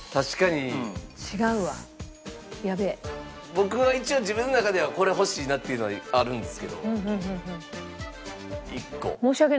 僕は一応自分の中ではこれ欲しいなっていうのはあるんですけど１個。